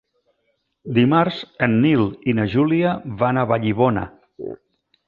Dimarts en Nil i na Júlia van a Vallibona.